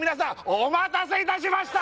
お待たせいたしました